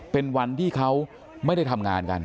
เป็นวันที่เขาไม่ได้ทำงานกัน